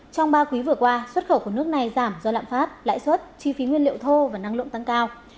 trong ba quý vừa qua xuất khẩu của nước này giảm do lạm phát lãi suất chi phí nguyên liệu thô và năng lượng tăng cao